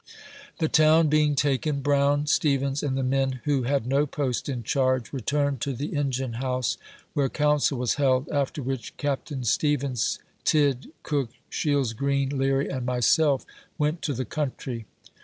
The town being taken, Brown, Stevens, and the men who had no post in charge, returned to the engine house, where council was held, after which Captain Stevens, Tidd, Cook, 84 A VOICE FROM HARPER'S FERRY. Shields Green, Leary and myself went to the country.